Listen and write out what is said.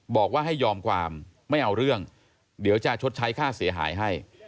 บอกว่าให้ยอมความไม่เอาเรื่องเดี๋ยวจะชดใช้ค่าเสียหายให้